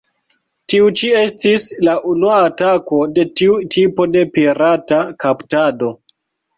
Tiu ĉi estis la unua atako de tiu tipo de pirata "kaptado".